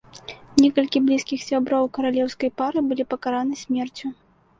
Некалькі блізкіх сяброў каралеўскай пары былі пакараны смерцю.